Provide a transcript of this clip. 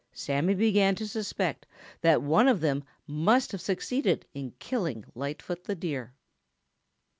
Sammy began to suspect that one of them must have succeeded in killing Lightfoot the Deer.